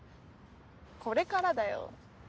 これからだよ。